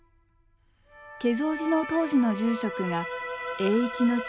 華蔵寺の当時の住職が栄一の父